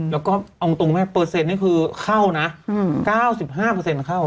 แล้วก็เอาตรงแม่เปอร์เซ็นต์นี่คือเข้านะ๙๕เข้า